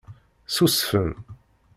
Ssusfen.